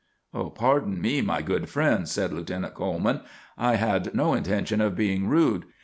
"Pardon me, my good friends," said Lieutenant Coleman. "I had no intention of being rude.